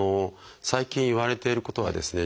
最近いわれていることはですね